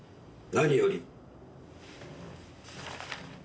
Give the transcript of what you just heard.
何より。